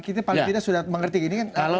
kita paling tidak sudah mengerti ini kan